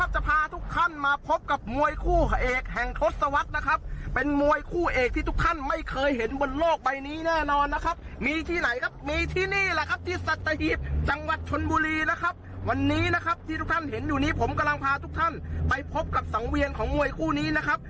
ดูซิไปซูมอยู่ตรงนั้นแหม่เบี้ยกู้ภายก็ช่างภาคยังกะมาเชียร์มวยกันเนอะ